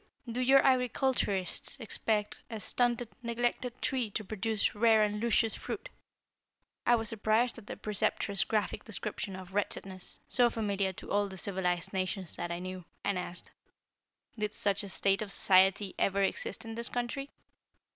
Do your agriculturists expect a stunted, neglected tree to produce rare and luscious fruit?" I was surprised at the Preceptress' graphic description of wretchedness, so familiar to all the civilized nations that I knew, and asked: "Did such a state of society ever exist in this country?"